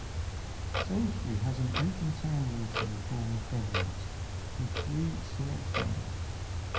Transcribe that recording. Salisbury has an Open Town Meeting form of government, with three Selectmen.